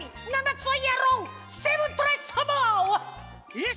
えっ